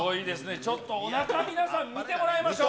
ちょっとおなか、皆さん見てもらいましょう。